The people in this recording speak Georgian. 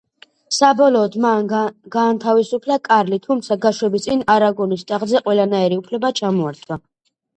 საბოლოოდ მან გაანთავისუფლა კარლი, თუმცა გაშვების წინ არაგონის ტახტზე ყველანაირი უფლება ჩამოართვა.